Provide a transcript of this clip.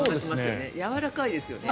やわらかいですよね。